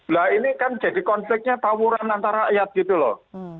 nah ini kan jadi konfliknya tawuran antara rakyat gitu loh